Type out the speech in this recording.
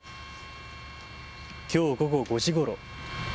きょう午後５時ごろ。